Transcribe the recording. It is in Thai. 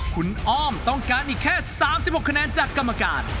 คุณอ้อมต้องการอีกแค่๓๖คะแนนจากกรรมการ